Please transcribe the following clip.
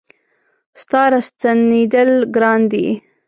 ستا را ستنېدل ګران دي